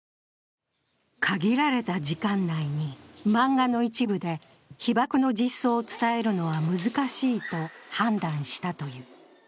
限られた時間内に漫画の一部で被爆の実相を伝えるのは難しいと判断したという。